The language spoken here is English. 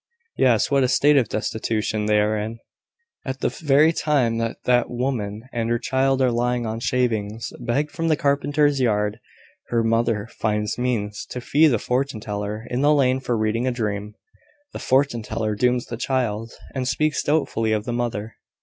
"Yes: what a state of destitution they are in!" "At the very time that that woman and her child are lying on shavings, begged from the carpenter's yard, her mother finds means to fee the fortune teller in the lane for reading a dream. The fortune teller dooms the child, and speaks doubtfully of the mother."